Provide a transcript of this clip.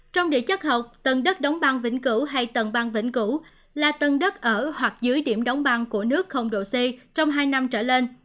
trong địa chất học tầng đất đóng băng vĩnh cửu hay tầng băng vĩnh cửu là tầng đất ở hoặc dưới điểm đóng băng của nước độ c trong hai năm trở lên